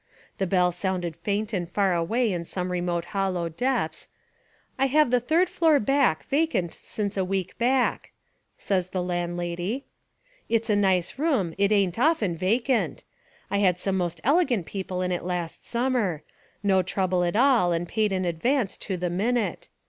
The bell sounded faint and far away in some remote hollow depths. ... "I have the third floor 258 The Amazing Genius of O. Henry back vacant since a week back," says the land lady. ... "It's a nice room. It ain't often va cant. I had some most elegant people In it last summer — no trouble at all and paid in advance to the minute.